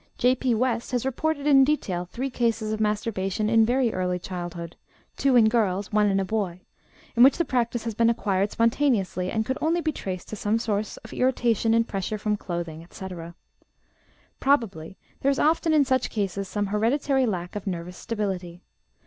J.P. West has reported in detail 3 cases of masturbation in very early childhood 2 in girls, 1 in a boy in which the practice had been acquired spontaneously, and could only be traced to some source of irritation in pressure from clothing, etc. Probably there is often in such cases some hereditary lack of nervous stability.